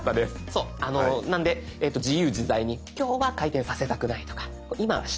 そうなんで自由自在に今日は回転させたくないとか今はしたいんだ。